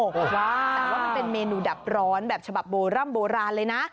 แต่ว่ามันเป็นเมนูดับร้อนแบบฉบับโบร่ำโบราณเลยนะ